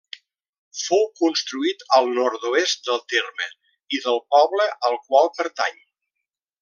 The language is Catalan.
Fou construït al nord-oest del terme i del poble al qual pertany.